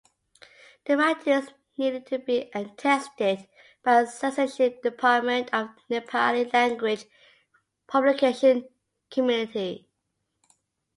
The writings needed to be attested by censorship department of Nepali Language Publication Committee.